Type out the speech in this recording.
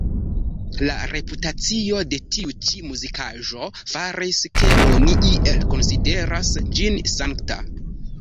La reputacio de tiu ĉi muzikaĵo faris, ke oni iel konsideras ĝin sankta.